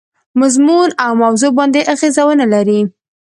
مضمون او موضوع باندي اغېزه ونه لري.